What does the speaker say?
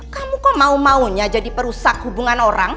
kamu kok mau maunya jadi perusak hubungan dengan dia